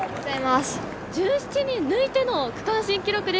１７人抜いての区間新記録です。